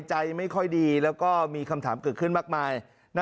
ใจไม่ค่อยดีแล้วก็มีคำถามเกิดขึ้นมากมาย